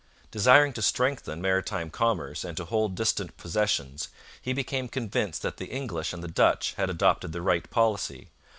Desiring to strengthen maritime commerce and to hold distant possessions, he became convinced that the English and the Dutch had adopted the right policy.